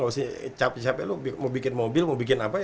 siapa siapa mau bikin mobil mau bikin apa